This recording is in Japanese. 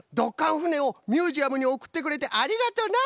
ふねをミュージアムにおくってくれてありがとうな！